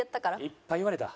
いっぱい言われた。